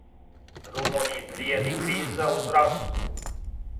Румунији пријети криза у здравству